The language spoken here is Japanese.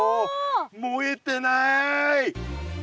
燃えてない！